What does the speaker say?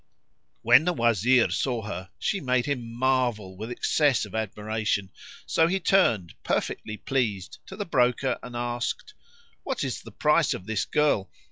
When the Wazir saw her she made him marvel with excess of admiration, so he turned, perfectly pleased, to the broker and asked, "What is the price of this girl?"